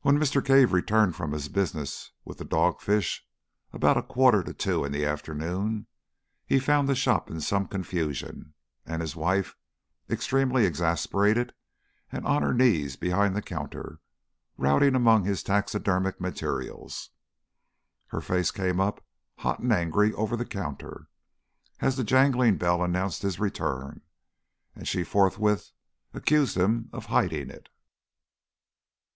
When Mr. Cave returned from his business with the dog fish, about a quarter to two in the afternoon, he found the shop in some confusion, and his wife, extremely exasperated and on her knees behind the counter, routing among his taxidermic material. Her face came up hot and angry over the counter, as the jangling bell announced his return, and she forthwith accused him of "hiding it."